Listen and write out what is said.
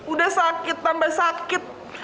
udah sakit tambah sakit